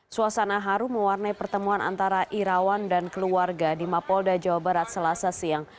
suasana haru mewarnai pertemuan antara irawan dan keluarga di mapolda jawa barat selasa siang